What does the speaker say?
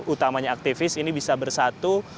utamanya aktivis ini bisa bersatu